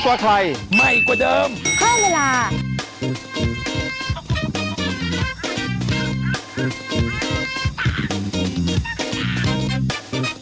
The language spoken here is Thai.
สวัสดีครับ